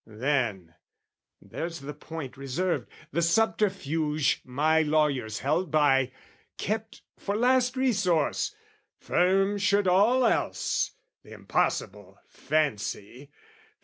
Then, there's the point reserved, the subterfuge My lawyers held by, kept for last resource, Firm should all else, the impossible fancy!